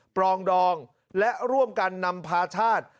ปรองดองและร่วมกันนำพาชาติ